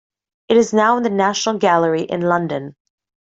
It is now in the National Gallery in London.